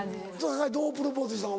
酒井どうプロポーズしたの？